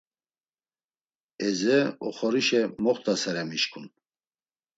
Eze oxorişe moxt̆asere mişǩun.